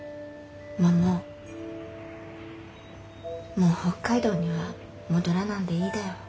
もう北海道には戻らなんでいいだよ。